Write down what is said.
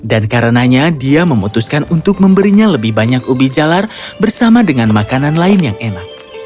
dan karenanya dia memutuskan untuk memberinya lebih banyak ubi jalar bersama dengan tuan zhao